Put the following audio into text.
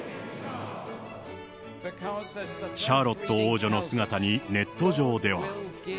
シャーロット王女の姿にネット上では。